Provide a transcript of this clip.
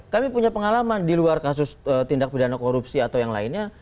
kami punya pengalaman di luar kasus tindak pidana korupsi atau yang lainnya